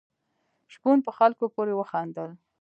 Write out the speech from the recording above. شپون په خلکو پورې وخندل.